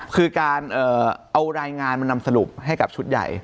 คือการเอารายงานมานำสรุปให้กับชุดใหญ่